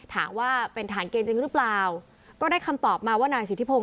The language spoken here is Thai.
ถามว่าเป็นฐานเกณฑ์จริงหรือเปล่าก็ได้คำตอบมาว่านายสิทธิพงศ